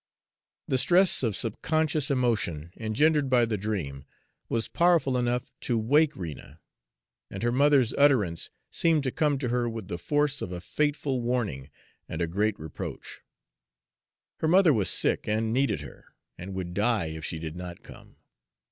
The stress of subconscious emotion engendered by the dream was powerful enough to wake Rena, and her mother's utterance seemed to come to her with the force of a fateful warning and a great reproach. Her mother was sick and needed her, and would die if she did not come.